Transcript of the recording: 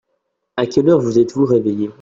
À quelle heure vous êtes-vous réveillés ?